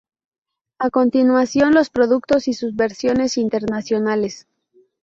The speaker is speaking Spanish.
A continuación, los productos y sus versiones internacionales.